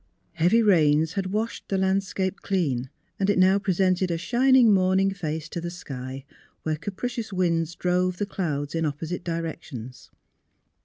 Heavy rains had washed the landscape clean, and it now presented a shining morning face to the sky where capri cious winds drove the clouds in opposite directions.